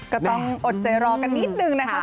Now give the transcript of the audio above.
ก็ต้องอดใจรอกันนิดนึงนะคะ